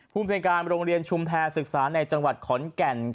ภูมิในการโรงเรียนชุมแพรศึกษาในจังหวัดขอนแก่น